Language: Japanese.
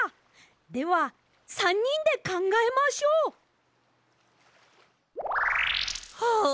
では３にんでかんがえましょう！はあ。